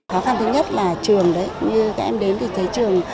khó khăn thứ nhất là trường đấy như các em đến thì thấy trường